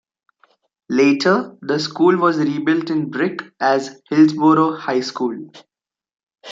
Later the school was re-built in brick as Hillsboro High School.